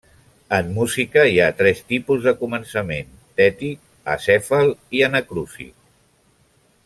En música hi ha tres tipus de començament: tètic, acèfal i anacrúsic.